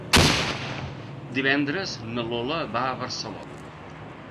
Divendres na Lola va a Barcelona.